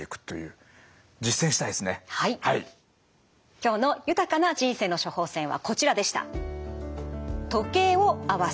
今日の豊かな人生の処方せんはこちらでした。